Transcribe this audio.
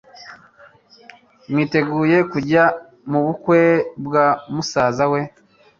mwiteguye kujya mubukwe bwa musaza we?